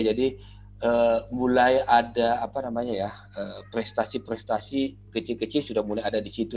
jadi mulai ada prestasi prestasi kecil kecil sudah mulai ada di situ